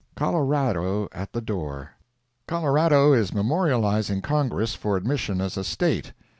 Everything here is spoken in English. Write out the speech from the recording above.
COLORADO AT THE DOOR Colorado is memorializing Congress for admission as a State.